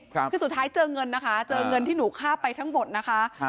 คือสุดท้ายเจอเงินนะคะเจอเงินที่หนูฆ่าไปทั้งหมดนะคะ